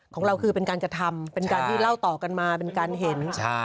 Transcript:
ของเราคือเป็นการกระทำเป็นการที่เล่าต่อกันมาเป็นการเห็น